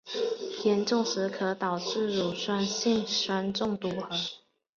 严重时可导致乳酸性酸中毒和。